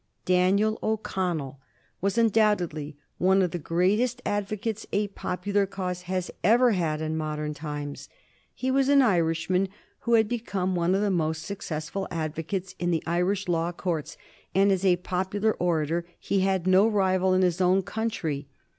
Daniel O'Connell was undoubtedly one of the greatest advocates a popular cause has ever had in modern times. He was an Irishman who had become one of the most successful advocates in the Irish law courts, and as a popular orator he had no rival in his own country.